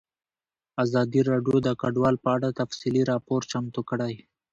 ازادي راډیو د کډوال په اړه تفصیلي راپور چمتو کړی.